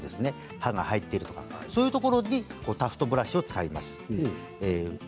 歯が入っているところとかそういうところにタフトブラシを使います。